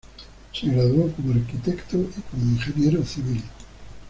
Se graduó como arquitecto y como ingeniero civil.